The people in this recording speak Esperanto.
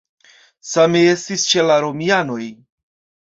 Same estis ĉe la romianoj.